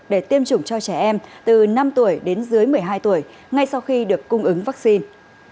để tiêm chủng cho trẻ em từ năm tuổi đến dưới một mươi hai tuổi ngay sau khi được cung ứng vaccine